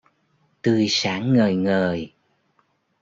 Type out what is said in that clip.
Tươi sáng ngời ngời